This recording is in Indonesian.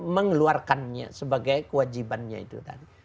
mengeluarkannya sebagai kewajibannya itu